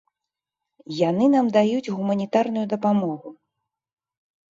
Яны нам даюць гуманітарную дапамогу.